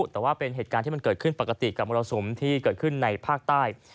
แต่ว่าเป็นเหตุการณ์ที่มันเกิดขึ้นปกติกับมรสุมที่เกิดขึ้นในภาคใต้